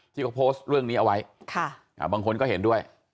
ที่เขาโพสต์เรื่องนี้เอาไว้บางคนก็เห็นด้วย